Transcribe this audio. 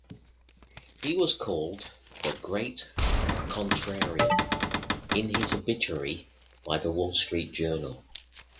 He was called "The Great Contrarian" in his obituary by "The Wall Street Journal".